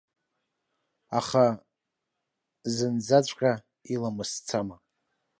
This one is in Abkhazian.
Аха зынӡаҵәҟьа иламыс цама!